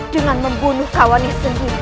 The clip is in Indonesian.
dengan membunuh kawannya sendiri